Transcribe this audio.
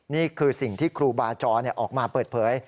นี่คือสิ่งที่ครูบาจรออกมาเปิดเผย